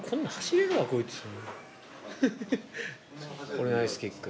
これナイスキック。